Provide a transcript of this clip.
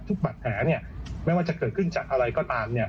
บาดแผลเนี่ยไม่ว่าจะเกิดขึ้นจากอะไรก็ตามเนี่ย